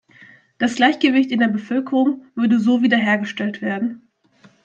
Das Gleichgewicht in der Bevölkerung würde so wieder hergestellt werden.